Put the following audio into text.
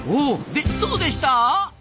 でどうでした？